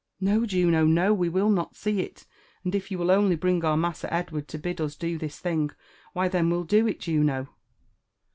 •No, Juno, no, — we will not see it : and if you will only bring our Massa Edward to bid us do this thing, why then we'll do it, Juno."